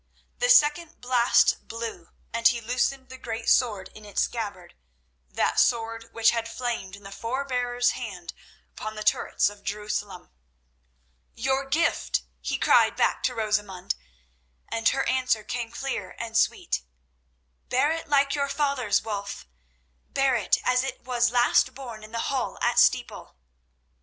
The second blast blew, and he loosened the great sword in its scabbard, that sword which had flamed in his forbear's hand upon the turrets of Jerusalem. "Your gift," he cried back to Rosamund, and her answer came clear and sweet: "Bear it like your fathers, Wulf. Bear it as it was last borne in the hall at Steeple."